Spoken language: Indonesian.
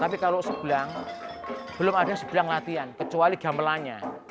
tapi kalau sebelang belum ada sebelang latihan kecuali gamelanya